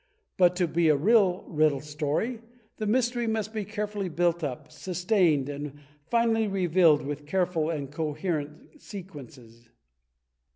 But to be a real Riddle Story, the mystery must be carefully built up, sustained and finally revealed with careful and coherent sequences.